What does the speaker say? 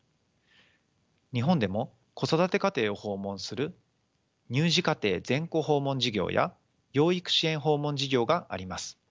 日本でも子育て家庭を訪問する乳児家庭・全戸訪問事業や養育支援・訪問事業があります。